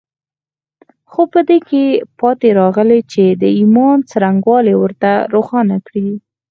خو په دې کې پاتې راغلي چې د ايمان څرنګوالي ورته روښانه کړي.